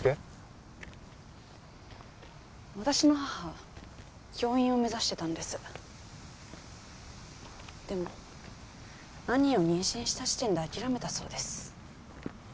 私の母教員を目指してたんですでも兄を妊娠した時点で諦めたそうです